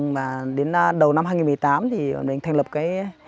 mà đến đầu năm hai nghìn một mươi tám thì mình thành lập cái